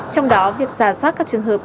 trong đó việc giả soát các trường hợp